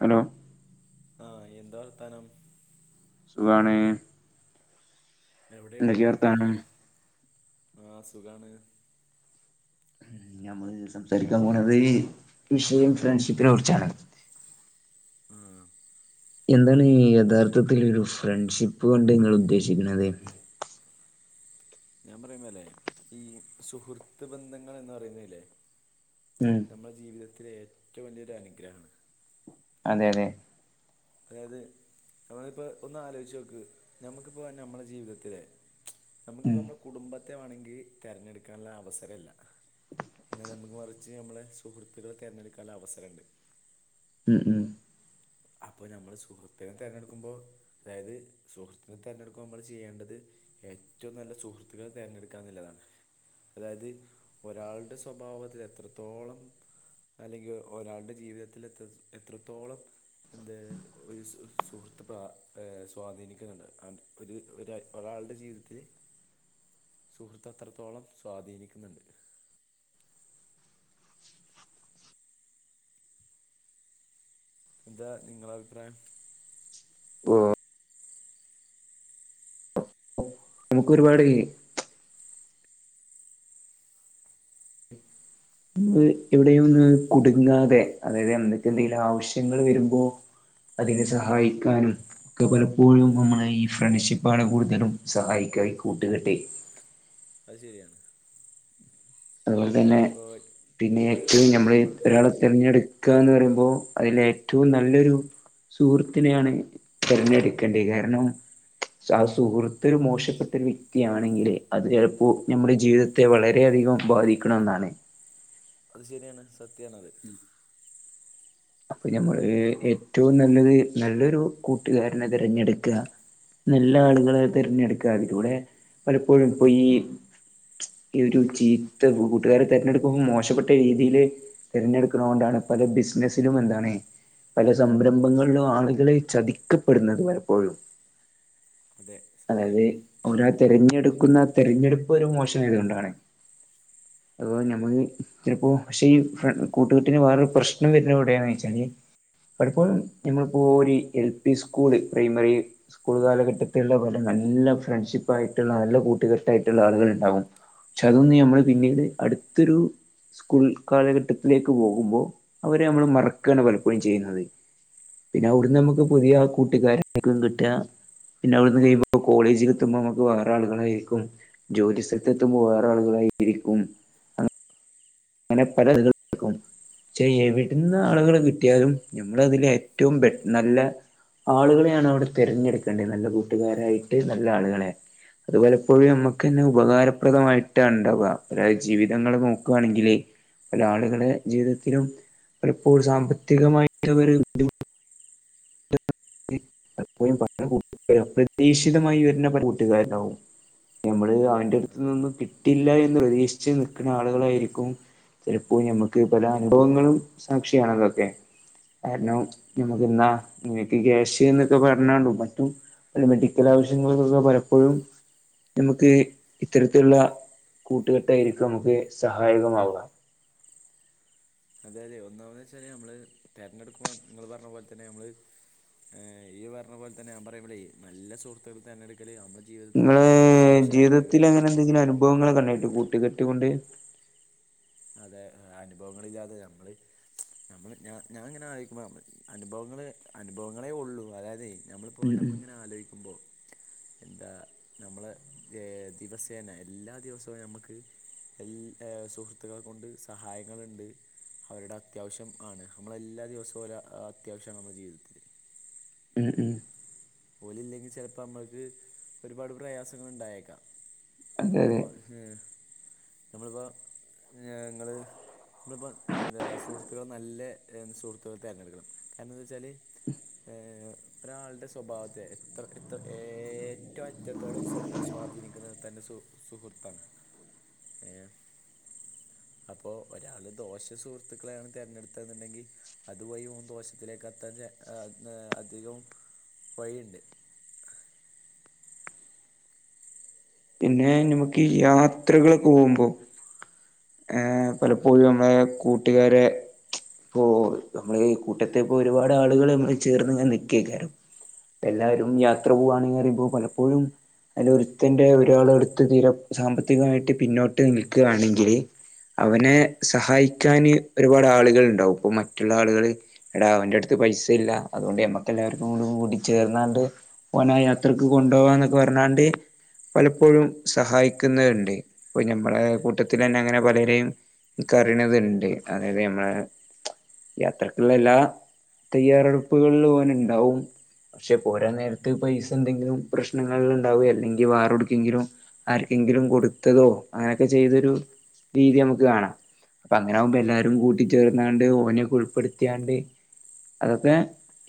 Hello ആഹ് എന്താ വർത്താനം സുഖാണേ എവിടെയാണ് വർത്താനം ആഹ് സുഖാണ് ഞമ്മള് സംസാരിക്കാൻ പോണതേ വിഷയം ഫ്രണ്ട്ഷിപ്പിനെ കുറിച്ചാണ് ആഹ് എന്താണ് യഥാർത്ഥത്തിലൊരു ഫ്രണ്ട്ഷിപ്പ് കൊണ്ട് നിങ്ങൾ ഉദ്ദേശിക്കണത് ഞാൻ പറയുമ്പല്ലെ ഈ സുഹൃത്ത് ബന്ധങ്ങൾ എന്ന് പറയുന്നെല്ലേ ഉം നമ്മള ജീവിതത്തിലെ ഏറ്റോം വല്യൊരു അനുഗ്രഹാണ്. അതെ അതെ അതായത് നമ്മളിപ്പ ഒന്ന് ആലോചിച്ച് നോക്ക് ഞമ്മക്കിപ്പോ ഞമ്മള ജീവിതത്തിലെ നമ്മക്കിപ്പോ ഉം നമ്മള കുടുംബത്തെ വേണെങ്കി തെരഞ്ഞെടുക്കാനുള്ള അവസരല്ല. എന്നാലെ നമുക്ക് മറിച്ച് നമ്മളെ സുഹൃത്തുക്കളെ തെരഞ്ഞെടുക്കാള്ള അവസരണ്ട് മ്മ് മ്മ് അപ്പൊ ഞാമ്മള് സുഹൃത്തിനെ തെരഞ്ഞെടുക്കുമ്പോ അതായത് സുഹൃത്തിനെ തെരഞ്ഞെടുക്കുമ്മള് ചെയ്യേണ്ടത് ഏറ്റോം നല്ല സുഹൃത്തിനെ തെരഞ്ഞെടുക്കാന്നല്ലതാണ്. അതായത് ഒരാളുടെ സ്വഭാവത്തിൽ എത്രത്തോളം അല്ലെങ്കി ഒ ഒരാളുടെ ജീവിതത്തിൽ എത്ര എത്രത്തോളം എന്താത് ഒരു സു സുഹൃത്ത് പ്ര ഏഹ് സ്വാധീനിക്കുന്നുണ്ട് അഹ് ഒര് ഒരാ ഒരാളുടെ ജീവിതത്തില് സുഹൃത്ത് അത്രത്തോളം സ്വാധീനിക്കുന്നുണ്ട്. എന്താ നിങ്ങള അഭിപ്രായം. ഉം നമുക്കൊരുപാട് ൻ എവിടെയും ഏ ഒന്ന് കുടുങ്ങാതെ അതായത് എന്തൊക്കെ എന്തെങ്കിലും ആവശ്യങ്ങൾ വരുമ്പോ അതിനെ സഹായിക്കാനും ഒക്കെ പല ഇപ്പോഴും അതെ നമ്മളെ ഈ ഫ്രണ്ട്ഷിപ്പാണ് കൂടുതലും സഹായിക്കാ ഈ കൂട്ടുകട്ടെ അയ്ശരിയാണ്. അതുപോലെ തന്നെ ഇപ്പോൾ പിന്നെ ഏറ്റവും നമ്മൾ ഒരാളെ നമ്മളിപ്പോൾ തെരഞ്ഞെടു ക്കാന്ന് പറയുമ്പോ അതിലേറ്റവും നല്ലൊരു സുഹൃത്തിനെയാണ് തിരഞ്ഞെടുക്കേണ്ടഅ് കാരണം ക്ഷാ ആഹ് സുഹൃത്തൊരു മോശപ്പെട്ട ഒരു വ്യക്തിയാണെങ്കിൽ അത് ചിലപ്പോ നമ്മുടെ ജീവിതത്തെ വളരെയധികം ബാധിക്കുണൊന്നാണ്. അത് ശരിയാണ് സത്യാണത് [inaudible] അപ്പൊ ഞമ്മള് ഏറ്റവും നല്ലത് നല്ലൊരു കൂട്ടുകാരനെ തിരഞ്ഞെടുക്കാ നല്ല ആളുകളെ തിരഞ്ഞെടുക്കാ അതിലൂടെ പലപ്പോഴും ഇപ്പോ ഈ ഈ ഒരു ചീത്ത കൂട്ടുകാരെ തിരഞ്ഞെടുക്കുമ്പോ മോശപ്പെട്ട രീതിയില് തിരഞ്ഞെടുക്കുണോണ്ടാണ് പല ബിസിനസ്സ് ത്തിലും എന്താണ് പല സംരംഭങ്ങളിലും ആളുകള് ചതിക്കപ്പെടുന്നത് പലപ്പോഴും അതെ സത്യം അതായത് ഓരാ ഒരു തിരഞ്ഞെടുക്കുന്ന തിരഞ്ഞെടുപ്പ് ഒരു മോശം ആയതു കൊണ്ടാണ് അഥവാ അതെ നമ്മള് ചിലപ്പോ പക്ഷേ ഈ ഫ്രെ കൂട്ടുകെട്ടിന് വേറൊരു പ്രശ്നം വരുന്നതെവിടെയാന്ന് വെച്ചാല് പലപ്പോഴും ഞമ്മളിപ്പോ ഒരു L P school primary school കാലഘട്ടത്തിലുള്ള ബൻ ട്ട് നല്ല ഫ്രണ്ട്ഷിപ്പ് ആയിട്ടുള്ള നല്ല കൂട്ടുകെട്ടായിട്ടുള്ള ആളുകൾ ഉണ്ടാാവും ചലോന്ന് നമ്മള് ഉം പിന്നീട് അടുത്തൊരു സ്കൂൾ കാലഘട്ടത്തിലേക്ക് പോകുമ്പോ അവരെ നമ്മള് മറക്കാണ് ഉം പലപ്പോഴും ചെയ്യുന്നത് പിന്നെ അവിടുന്ന് നമുക്ക് പുതിയ കൂട്ടുകാരക്കും കിട്ട പിന്നെ അവിടുന്ന് കഴിയുമ്പോ ഇപ്പ കോളേജിൽ എത്തുമ്പോ നമുക്ക് വേറെ ആളുകളായിരിക്കും ജോലി സ്ഥലത്ത് എത്തുമ്പോ വേറെ ആളുകളായിരിക്കും അങ്ങനെ പല ഇതി ക്കും ചെ എവിടുന്ന് ആളുകളെ കിട്ടിയാലും ഞമ്മൾ അതില് ഏറ്റവും ബെറ്റ് നല്ല ആളുകളെയാണ് അവിടെ തിരഞ്ഞെടുക്കേണ്ടത് നല്ല കൂട്ടുകാരായിട്ട് നല്ല ആളുകളെ അത്പലപ്പോഴും നമ്മുക്ക് തന്നെ അതെ ഉപകാരപ്രദമായിട്ടാണ് ഉണ്ടാവാ ഒരാളെ ജീവിതങ്ങള് നോക്കുവാണെങ്കിൽ പല ആളുകളെ ജീവിതത്തിലും പലപ്പോഴും സാമ്പത്തികായിട്ടവര് അ് പലപ്പോഴും പല കൂട്ടുകാരും അപ്രതീക്ഷിതമായി വരുന്ന പല കൂട്ടുകാരുണ്ടാവും ഞമ്മള് അവന്റെടുത്തു അതെ നിന്നൊന്നും കിട്ടില്ല എന്ന് പ്രതീക്ഷിച്ച് നിൽക്കുന്ന ആളുകളായിരിക്കും ചിലപ്പോ ഞമ്മക്ക് പല അനുഭവങ്ങളും സാക്ഷിയാണ് അതൊക്കെ കാരണം അതെ അതെ ഞമ്മക്കിന്ന പിക്യാഷ് ന്നൊക്കെ പറഞ്ഞാണ്ടും മറ്റും മെഡിക്കൽ ആവശ്യങ്ങൾക്കൊക്കെ പലപ്പോഴും നമുക്ക് ഇത്തരത്തിലുള്ള കൂട്ടുകെട്ടായിരിക്കും നമുക്ക് സഹായകമാവാ അതെ അതെ ഒന്നാമെന്ന് വെച്ചാൽ നമ്മൾ തിരഞ്ഞെടുക്കുമ്പോ നിങ്ങള് പറഞ്ഞ പോലെ തന്നെ നമ്മള് ഏഹ് ഈ പറഞ്ഞ പോലെതന്നെ ഞാ പറുമ്പോളേ നല്ല സുഹൃത്തുക്കൾ തെരഞ്ഞെടു ക്കല് നമ്മുടെ ജീവിതത്തില് നിങ്ങള് അത്യാവശ്യായ ജീവിതത്തിൽ ഘടകാണ് അങ്ങനെ എന്തെങ്കിലും അനുഭവങ്ങളൊക്കെ ണ്ടായിട്ട് കൂട്ടുകെട്ട് കൊണ്ട് അതെ അനുഭവങ്ങളില്ലാതെ നമ്മള് ഞമ്മൾ ഞാ ഞാൻ ഇങ്ങനെ ആലോചിക്കുമ്പോള് അനുഭവങ്ങള് അനുഭവങ്ങളേ ഉള്ളൂ അതായതെ നമ്മൾ ഇപ്പോ ഉം ഉം നമ്മളിങ്ങനെ ആലോയ്ക്കുമ്പോ എന്താ നമ്മളെ ഏഹ് ദിവസേന എല്ലാ ദിവസവും നമ്മുക്ക് എൽ ഏഹ് സുഹൃത്തുക്കളെ കൊണ്ട് സഹായങ്ങളുണ്ട്. അവരുടെ അത്യാവശ്യം ആണ് നമ്മളല്ലാ ദിവസവും ഓലെ ആഹ് അത്യാവശ്യമാണ് നമ്മളെ ജീവിതത്തില് ഉം ഉം ഓലില്ലെങ്കി ചെലപ്പോ നമ്മക്ക് ഒരുപാട് പ്രയാസങ്ങള്ണ്ടായേക്കാം. അതെ അതെ ഇപ്പോ ഹ് നമ്മളിപ്പോ ഏഹ് ഇങ്ങള് ന്ന്പ്പം എന്താ സുഹൃത്തുക്കളെ നല്ല സുഹൃത്തുക്കളെ തെരഞ്ഞെടുക്കണം കാരണം എന്താച്ചാല് ഏഹ് ഒരാളുടെ സ് സ്വഭാവത്തെ എത്ര എത്ര ഏറ്റവും അറ്റത്തോളം സ് സ്വാധീനിക്കുന്നത് തന്റെ സു സുഹൃത്താണ്. ഉം [inaudible] ഏഹ് [inaudible] അപ്പോ ഒരാള് ദോഷം സുഹൃത്തുക്കളെയാണ് തിരഞ്ഞെടുത്തത് ന്ന്ണ്ടെങ്കി അത് വഴി ഓൻ ദോഷത്തിലേക്ക് എത്താൻ ചാൻ എ എ അധികം വഴിയിണ്ട് പിന്നെ നമുക്ക് യാത്രകള് പോകുമ്പോ. ഏഹ് അതെ പലപ്പോഴും നമ്മളെ കൂട്ടുകാരെ ഇപ്പോ നമ്മള് ഈ കൂട്ടത്തെ ഇപ്പോ ഒരുപാട് ആളുകള് നമ്മളെ ചേർന്ന് ങ്ങനെ നിക്കേക്കാരം. എല്ലാരും അതെ യാത്ര പോകാണ്നറിയുമ്പോ പലപ്പോഴും. അതിലൊരുത്തന്റെ ഒരാളടുത്ത് തീരെ സാമ്പത്തികമായിട്ട് പിന്നോട്ട് നിൽക്കുകയാണെങ്കില്. അവനെ സഹായിക്കാന് ഒരുപാട് ആളുകള്ണ്ടാവും ഇപ്പൊ മറ്റുള്ള ആളുകള് എടാ അവന്റെടുത്ത് പൈസ ഇല്ല അതുകൊണ്ട് ഞമ്മക്ക് എല്ലാവർക്കൂടി കൂടി ചേർന്നാണ്ട് ഓനാ യാത്രക്ക് കൊണ്ടുപോവാന്നൊക്കെ പറഞ്ഞാണ്ട് പലപ്പോഴും സഹായിക്കുന്നവര്ണ്ട് ഇപ്പൊ ഞമ്മള അതെ കൂട്ടത്തിലന്നെ അങ്ങനെ പലരേം ഇക്കറീണതുണ്ട് അതായത് ഞമ്മളെ യാത്രക്കുള്ള എല്ലാ തയ്യാറെടുപ്പുകളിലും ഓന്ണ്ടാവും. പക്ഷെപോരാനേരത്ത് പൈസ എന്തെങ്കിലും പ്രശ്നങ്ങളില്ണ്ടാവേ അല്ലെങ്കി വേറെടക്കെങ്കിലും. ആർക്കെങ്കിലും കൊടുത്തതോ അങ്ങനെക്കെ ചെയ്തൊരു രീതി നമുക്ക് കാണാം. അപ്പൊ അങ്ങനാവുമ്പോ അതെ എല്ലാരും കൂട്ടിച്ചേർന്നാണ്ട് ഓനെ ഉൾപ്പെടുത്തിയാണ്ട്. അതൊക്കെ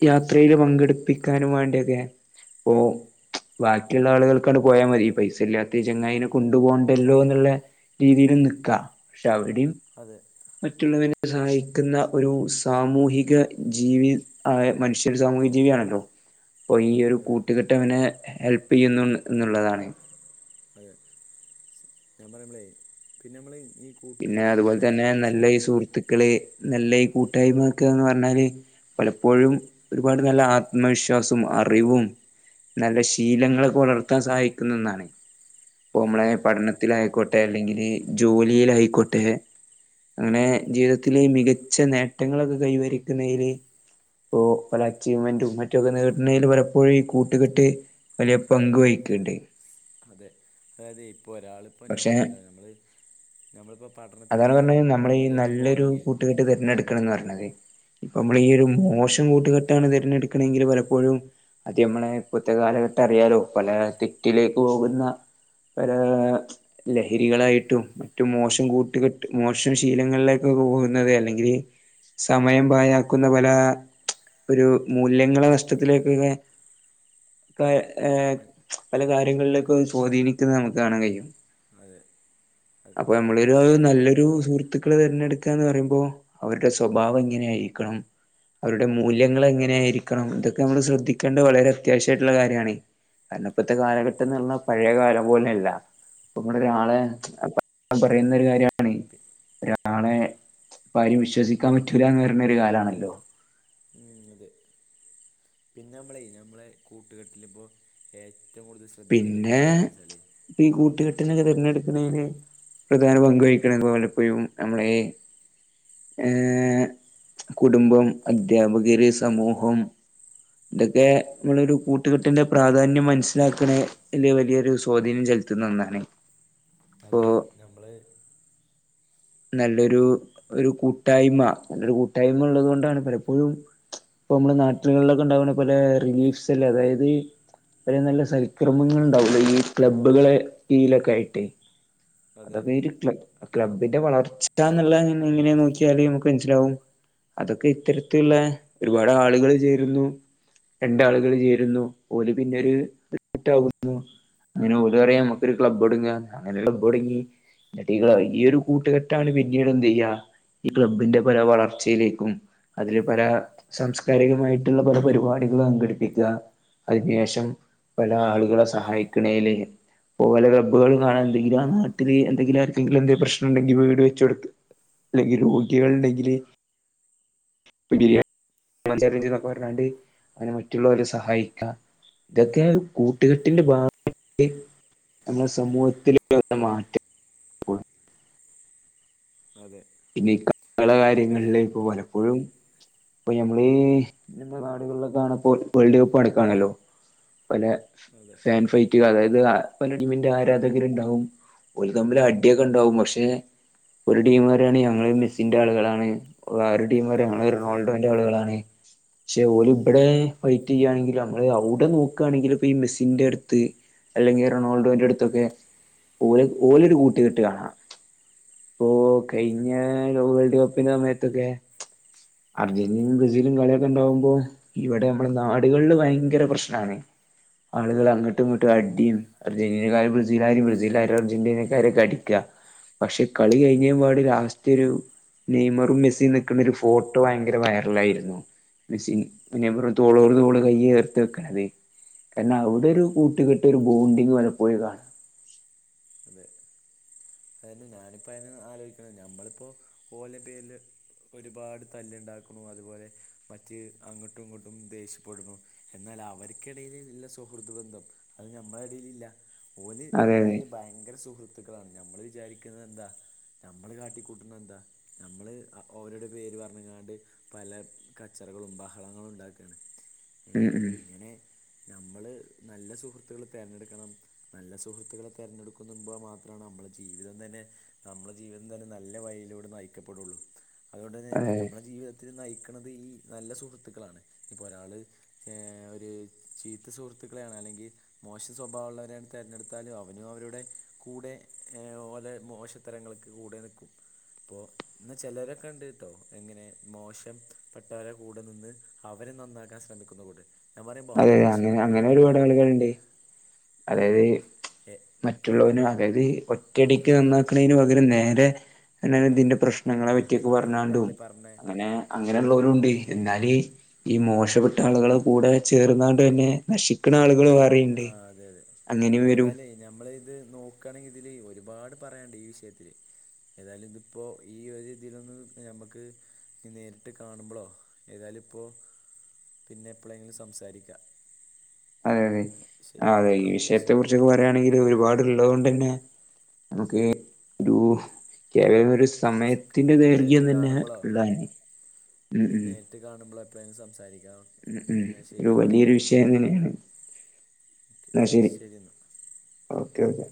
യാത്രയില് പങ്കെടുപ്പിക്കാനും വേണ്ടിയൊക്കെ പോ ബാക്കിള്ള ആളുകൾക്കങ്ട് പോയാ മതി ഈ പൈസല്ലാത്ത ഈ ചെങ്ങായിനെ കൊണ്ടു പോണ്ടല്ലോ ന്നുള്ള രീതിയിലുംനിക്കാ പക്ഷെ അവിടെം. അതെ മറ്റുള്ളവരെ സഹായിക്കുന്ന ഒരു സാമൂഹിക ജീവി ആയ മനുഷ്യ ഒരു സാമൂഹ്യ ജീവിയാണല്ലോ അപ്പൊ ഈ ഒരു അതെ കൂട്ടുകെട്ടവനെ ഹെൽപെയ്യുന്നു എന്നുള്ളതാണ്. അതെ ഞാൻ പറയുമ്പളെ പിന്നെ മ്മള് ഈ പിന്നെ കൂട്ടുകെട്ടിൽ അതുപോലെ നമ്മൾ തന്നെ ഏറ്റവും ശ്രദ്ധ നല്ല ഈ സുഹൃത്തുക്കള് നല്ല ഈ കൂട്ടായ്മേക്കേന്ന് പറഞ്ഞാല്. പലപ്പോഴും ഒരുപാട് നല്ല ആത്മവിശ്വാസോം അറിവും. നല്ല ശീലങ്ങളൊക്കെ വളർത്താൻ സഹായിക്കുന്ന ഒന്നാണ്. ഇപ്പൊ അത് മ്മളെ ശരിയാണ് പഠനത്തിലായിക്കോട്ടെ അല്ലെങ്കില് ജോലിയിലായിക്കോട്ടെ അങ്ങനെ ജീവിതത്തില് മികച്ച നേട്ടങ്ങളൊക്കെ കൈവരിക്കുന്നതില് ഇപ്പോ പല അച്ചീവ്മെന്റും മറ്റൊക്കെ നേടണേല് പലപ്പോഴും ഈ കൂട്ടുകെട്ട് വലിയ പങ്ക് വഹിക്കണണ്ട്. അതെ അതായതെ ഇപ്പോ ഒരാളിപ്പോ ഞാൻ പക്ഷെ പറഞ്ഞില്ലേ ഞമ്മള് ഞമ്മളിപ്പോ അതാണ് പഠനത്തില് പറഞ്ഞത് നമ്മൾ ഈ മുമ്പിലേക്ക് നല്ലൊരു പോണെങ്കിൽ കൂട്ടുകെട്ട് തിരഞ്ഞെടുക്കണംന്ന് പറഞ്ഞത് ഇപ്പൊ നമ്മൾ ഈ ഒരു മോശം കൂട്ടുകെട്ടാണ് തെരഞ്ഞെടുക്കണെങ്കില് പലപ്പോഴും അത് ഞമ്മളെ ഇപ്പോത്തെ കാലഘട്ട അറിയാലോ പല തെറ്റിലേക്ക് പോകുന്ന ഒരു ലഹരികളായിട്ടും മറ്റും മോശം കൂട്ടുകെട്ട് മോശം ശീലങ്ങളിലേക്കൊക്കെ പോകുന്നത് അല്ലെങ്കില് സമയം പായാക്കുന്ന പല ഒരു മൂല്യങ്ങളെ നഷ്ടത്തിലേക്കൊക്കെ ഇപ്പോ അ- പല കാര്യങ്ങളിലേക്കും സ്വാധീനിക്കുന്നത് നമുക്ക് കാണാൻ കഴിയും. അതെ അത് അപ്പൊ ഞമ്മളൊരു പിന്നെന്താ വെച്ചാൽ നല്ലൊരു നമ്മൾ സുഹൃത്ത് ക്കള് തെരഞ്ഞെടുക്കാന്ന് പറയുമ്പോ അവരുടെ സ്വഭാവം എങ്ങനെയായിരിക്കണം അവരുടെ മൂല്യങ്ങൾ എങ്ങനെയായിരിക്കണം ഇതൊക്കെ നമ്മൾ ശ്രദ്ധിക്കേണ്ട വളരെ അത്യാവശ്യായിട്ടുള്ള കാര്യാണ് കാരണം ഇപ്പത്തെ കാലഘട്ടംന്ന് പറഞ്ഞാ പഴയ കാലം പോലെയല്ല. ഇപ്പ നമ്മടെ ഒരാളെ പറയുന്ന ഒരു കാര്യാണ് ഒരാളെ ഇപ്പാരേം വിശ്വസിക്കാൻ പറ്റൂല്ല എന്ന് വരണ ഒരു കാലാണല്ലോ? ഉം അതെ പിന്നെ മ്മളെ ഞമ്മളെ കൂട്ടുകെട്ടിലിപ്പോ ഏറ്റവും കൂടുതൽ ശ്രദ്ധിക്കേണ്ട ഒരു പിന്നെ കാര്യം എന്താ വെച്ചാൽ ഈ കൂട്ടുകെട്ടിനൊക്കെ തിരഞ്ഞെടുക്കുന്നേല് പ്രധാന പങ്ക് വഹിക്കണ പോലെപ്പഴും നമ്മളെ ഏഹ് കുടുംബം അദ്ധ്യാപകര് സമൂഹം ഇതൊക്കെ നമ്മളൊരു കൂട്ടുകെട്ടിന്റെ പ്രാധാന്യം മനസ്സിലാക്ക ണേ വലിയ വലിയൊരു സ്വാധീനം ചെലുത്തുന്ന ഒന്നാണ് ഇപ്പോ അതെ ഞമ്മള് നല്ലൊരു ഒരു കൂട്ടായ്മ നല്ലൊരു കൂട്ടായ്മ ഉള്ളത് കൊണ്ടാണ് പലപ്പോഴും ഇപ്പൊ നമ്മള് നാട്ടിലുകളിലൊക്കെ ഉണ്ടാവണ പോലെ റിലീഫ്സ് ല് അതായത് ഒരെ നല്ല സൽക്രമങ്ങൾ ഉണ്ടാവുള്ളു ഈ ക്ലബ്ബുകളെ ഈലൊക്കെ ആയിട്ടേ അതെ അതൊക്കെ ഈ ഒരു ക്ല ക്ലബ്ബിന്റെ വളർച്ച എന്നുള്ള എങ്ങനെ നോക്കിയാല് നമുക്ക് മനസ്സിലാവും. അതൊക്കെ ഇത്തരത്തിള്ളെ ഒരുപാട് ആളുകൾ ചേരുന്നു. രണ്ടാളുകള് ചേരുന്നു ഓല് പിന്നൊര് സെറ്റാകുന്നു അങ്ങനെ ഓല് പറയാ ഞമ്മക്ക് ഒരു ക്ലബ് ഒടുങ്ങ അങ്ങനെ ക്ലബ്ടങ്ങി എന്നിട്ട് ഈ ഒരു കൂട്ടുകെട്ടാണ് പിന്നീട് എന്ത് ചെയ്യാ ഈ ക്ലബ്ബിന്റെ പല വളർച്ചയിലേക്കും. അതില് പല സാംസ്കാരികമായിട്ടുള്ള പല പരിപാടികൾ സംഘടിപ്പിക്ക. അതിനേഷം പല ആളുകളെ സഹായിക്കണെലേ ഓലെ ക്ലബുകളിൽ കാണാ എന്തെങ്കിലും ആ നാട്ടില് എന്തെങ്കിലും ആക്കെങ്കിലും എന്തെ പ്രശ് ട്ടുണ്ടെങ്കി വീട് വെച്ച കൊടുക്ക അല്ലെങ്കി രോഗികള ഉണ്ടെങ്കില് പിടിക കാര്യം ചെയ്ത പർഞ്ഞാണ്ട് അതിനെ മറ്റുള്ളോരെ സഹായിക്ക ഇതൊക്കെ കൂട്ടുകെട്ടിന്റെ ഭാഗ നമ്മുടെ സമൂഹത്തിലുള്ള മാറ്റം. കൂൾ അതെ. പിന്നെ ഈ ക ള കാര്യങ്ങളില ഇപ്പൊ നമ്മളിപ്പോൾ പലപ്പോഴും. ഇപ്പൊ ഞമ്മളീ നാടുകളിലാണപ്പോ വേൾഡ് കപ്പ് നടക്കാണല്ലോ പല അതെ ഫാൻ ഫൈ അതായത് പല ടീമിന്റെ ആരാധകരുണ്ടാവും ഒരു തമ്മില് അടിയൊക്കെ ഉണ്ടാവും പക്ഷെ ഒരു ടീം പറയാണ് ഞങ്ങള് മെസ്സിന്റെ ആളുകളാണ് ആഹ് ഒരു ടീം അതിൻ്റെയൊക്കെ പറയാണ് ഞങ്ങള് അപ്പുറത്ത് റൊണാൾഡോ ആ ന്റാളുകളാണ്. ക്ഷെ ഓല് ഇബ്ടെ ഫൈറ്റ് ചെയ്യാണെങ്കിലും നമ്മള് ഔടെ നോക്കാണെങ്കിലും ഇപ്പ ഈ മെസ്സിന്റെ അടുത്ത് അല്ലെങ്കി റൊണാൾഡോന്റെ അടുത്തൊക്കെ ഓല് ഓലൊരു കൂട്ടുകെട്ട് കാണാം. ഇപ്പോ ഉം, കഴിഞ്ഞ അതെ വേൾഡ് കപ്പിന്റെ സമയത്തൊക്കെ അർജന്റീനയും ബ്രസീലും കളിയൊക്കെ ഉണ്ടാവുമ്പോ ഇവിടെ നമ്മളുടെ നാടുകളില് ഭയങ്കര പ്രശ്നാണ്. ആളുകൾ അങ്ങട്ടും ഇങ്ങോട്ടും അടിയും അർജന്റീനക്കാര് ബ്രസീലാരും ബ്രസീലാരും അർജന്റീനക്കാരൊക്കെ അടിക്ക പക്ഷെ കളി അതെ കഴിഞെപ്പാ ലാസ്റ്റ് ഒരു നെയ്മറും മെസ്സി നിക്കുന്ന ഒരു ഫോട്ടോ ഭയങ്കര വൈറലായിരുന്നു. മെസിൻ പിന്നെ തോളോറ് തോള് കയ്യേർത്ത് വെക്കണതെ കാരണം അവിടെ ഒരു അതെ കൂട്ടുകെട്ട് ഒരു ബോണ്ടിങ്ങ് പലപ്പോളും കാണ അതെ. അതായത് ഞാനിപ്പോ അതിനെ ആലോചിക്കണ ഞമ്മളിപ്പോ ഓല പേരില് ഒരുപാട് തല്ലിണ്ടാക്കുണു അതുപോലെ മറ്റ് അങ്ങട്ടും ഇങ്ങട്ടും ദേഷ്യപ്പെടുന്നു. എന്നാൽ അവർക്കിടേൽ ഇല്ല സുഹൃദ് ബന്ധം അത് ഞമ്മളെ ഇടേൽ ഇല്ല. ഓല് അതെ അതെ ഇടയില് ഭയങ്കര സുഹൃത്തുക്കളാണ് നമ്മള് വിചാരിക്കുന്നത് എന്താ നമ്മള് കാട്ടിക്കൂട്ടുണ എന്താ നമ്മള് അവരുടെ പേര് പറഞ്ഞ്ങ്ങാണ്ട് പല കച്ചറകളും ബഹളങ്ങളും ഉണ്ടാക്കാണ് ഉം ഏഹ് ഉം ഇങ്ങനെ ഞമ്മള് നല്ല സുഹൃത്തുക്കള് തെരഞ്ഞെടുക്കണം നല്ല സുഹൃത്തുക്കളെ തെരഞ്ഞെടുക്കുന്നുമ്പൾ മാത്രമാണ് നമ്മള് ജീവിതം തന്നെ നമ്മളെ ജീവിതം തന്നെ നല്ല വഴിയിലൂടെ നയിക്കപ്പെടുള്ളു. അതുകൊണ്ട് തന്നെ അതെ ഞമ്മളെ ജീവിതത്തിൽ നയിക്കണത് ഈ നല്ല സുഹൃത്തുക്കളാണ് ഇപ്പോ ഒരാള് ശേഹ് ഒരു ചീത്ത സുഹൃത്തുക്കളെയാണ് അല്ലെങ്കി മോശ സ്വഭാവമുള്ളവരെയാണ് തിരഞ്ഞെടുത്താലും അവനും അവരുടെ കൂടെ ഏഹ് ഓല് മോശത്തരങ്ങൾക്ക് കൂടെ നിക്കും. അപ്പോ എന്നാ ചെലരൊക്കെ ഉണ്ട് കേട്ടോ എങ്ങനെ മോശം പെട്ടവരെ കൂടെ നിന്ന് അവരെ നന്നാക്കാൻ ശ്രമിക്കുന്ന കൂട്ട് ഞാൻ പറയുമ്പോ അതെ അതെ അവരാണ് അങ്ങനെ ശരിക്കുളള അങ്ങനെ ഒരുപാട് കൂട്ടുകാരന്മാര്. ആളുകളുണ്ട് അതായത് മറ്റുള്ളവന് അതായത് ഒറ്റടിക്ക് നന്നാക്കണെന് പകരം നേരെ എന്ന ഇതിന്റെ ആ പ്രശ്നങ്ങളെ അതെ പറ്റിയൊക്കെ മെല്ലെ പറഞ്ഞാണ്ടും മെല്ലെ പറഞ്ഞേ അങ്ങനെ ഓ അങ്ങനെള്ള ഓലും ഉണ്ടേ. എന്നാല് ഈ മോശപ്പെട്ട ആളുകൾ കൂടെ ചേർന്നാണ്ട് തന്നെ നശിക്കണ ആളുകളും വെറേ ഇണ്ട്. ആ അതെ അതെ. ഏതായാലെ ഞമ്മൾ ഇത് നോക്കയാണെങ്കിൽ ഇതില് ഒരുപാട് പറയാണ്ട് ഈ വിഷയത്തില്. ഏതായാലും ഇതിപ്പോ ഈ ഒരു ഇതിലൊന്ന് ഞമ്മക്ക് നേരിട്ട് കാണുമ്പളോ ഏതായാലും ഇപ്പോ പിന്നെ എപ്പളേങ്കിലും സംസാരിക്കാം. അതെ അതെ ശരി ആഹ് അതെ ഈ ഓക്കെ വിഷയത്തെ ശരി കുറിച്ച് ഒക്കെ പ പറയാണെങ്കില് ഒരുപാടുള്ളത് കൊണ്ട് തന്നെ നമുക്ക് ഒരു കേവലം ഒരു പിന്നെ സ് സമയത്തിന്റെ ദൈർഘ്യം നേരിട്ട് തന്നെ കാണുമ്പോളോ ഉള്ളാന് ഉം ഉം നേരിട്ട് കാണുമ്പോൾ എപ്പളേലും സംസാരിക്കാം ഉം ഉം എന്നാൽ ഒരു ശരി വലിയൊരു വിഷയം തന്നെയാണ് ഓക്കെ, എന്നാ ശരി എന്നാൽ ഓക്കെ ഓക്കെ